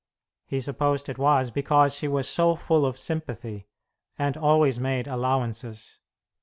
He supposed it was because she was so full of sympathy, and always made allowances.